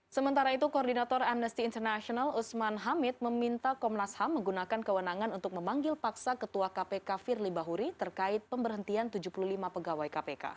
sementara itu koordinator amnesty international usman hamid meminta komnas ham menggunakan kewenangan untuk memanggil paksa ketua kpk firly bahuri terkait pemberhentian tujuh puluh lima pegawai kpk